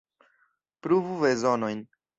Pruvu bezonojn.